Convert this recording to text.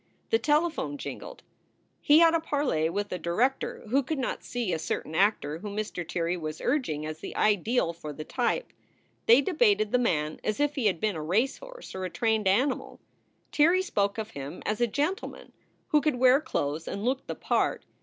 The telephone jingled. He had a parley with a director who could not see a certain actor whom Mr. Tirrey was urging as the ideal for the type. They debated the man as if he had been a racehorse or a trained animal. Tirrey spoke of him as a gentleman, who could wear clothes and look the part.